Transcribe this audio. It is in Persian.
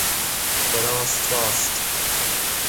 به راست راست!